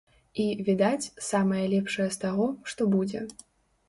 І, відаць, самае лепшае з таго, што будзе.